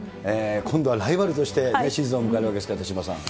今度はライバルとしてシーズンを迎えるわけですけど、手嶋さん。